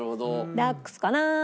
ダックスかな。